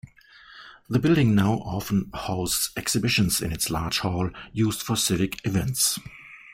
The building now often hosts exhibitions in its large hall used for civic events.